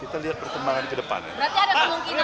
kita lihat perkembangan kedepannya